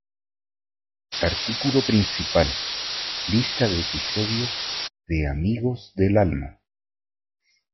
Artículo principal: Lista de episodios de Amigos del Alma.